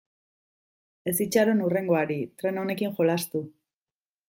Ez itxaron hurrengoari, tren honekin jolastu.